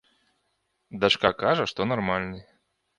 Дачка кажа, што нармальны.